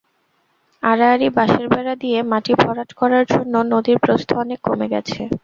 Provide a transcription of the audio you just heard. আড়াআড়ি বাঁশের বেড়া দিয়ে মাটি ভরাট করার জন্য নদীর প্রস্থ অনেক কমে গেছে।